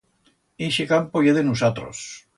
Ixe campo ye de nusatros.